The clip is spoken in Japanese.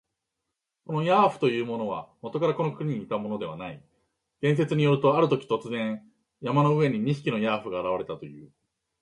このヤーフというものは、もとからこの国にいたものではない。伝説によると、あるとき、突然、山の上に二匹のヤーフが現れたという。